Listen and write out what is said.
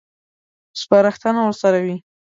سپارښتنه ورسره وي.